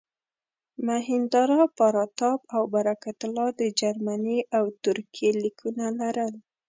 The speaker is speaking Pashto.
مهیندراپراتاپ او برکت الله د جرمني او ترکیې لیکونه لرل.